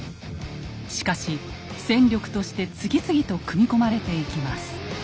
しかし戦力として次々と組み込まれていきます。